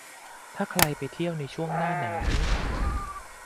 ถ้าใครไปเที่ยวในช่วงหน้าหนาว